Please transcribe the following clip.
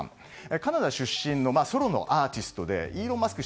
カナダ出身のソロのアーティストでイーロン・マスク